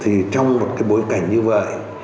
thì trong một cái bối cảnh như vậy